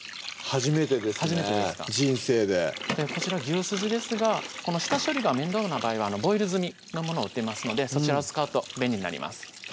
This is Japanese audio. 初めてですか人生でこちら牛すじですがこの下処理が面倒な場合はボイル済みのもの売ってますのでそちらを使うと便利になります